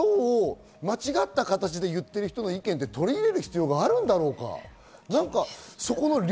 間違った形で言ってる人の意見って取り入れる必要があるんでしょうか？